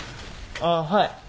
ああはい。